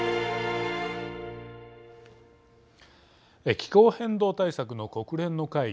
気候変動対策の国連の会議